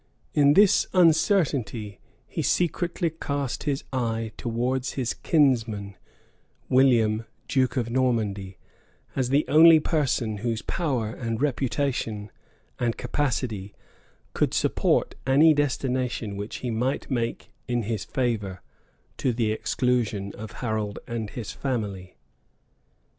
In this uncertainty, he secretly cast his eye towards his kinsman, William duke of Normandy, as the only person whose power, and reputation, and capacity, could support any destination which he might make in his favor, to the exclusion of Harold and his family.